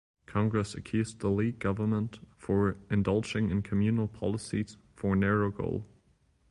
Congress accused the League government for "indulging in communal policies' for narrow goal".